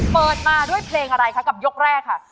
เปิดมาด้วยเพลงอะไรคะกับยกแรกค่ะ